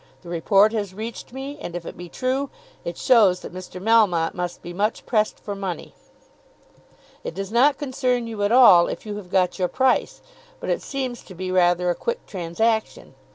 "The report has reached me, and if it be true, it shows that Mr. Melmotte must be much pressed for money. It does not concern you at all if you have got your price. But it seems to be rather a quick transaction.